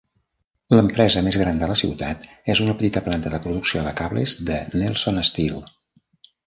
L'empresa més gran de la ciutat és una petita planta de producció de cables de Nelsol Steel.